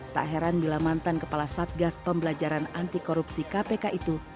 tak heran bila mantan kepala satgas pembelajaran anti korupsi kpk itu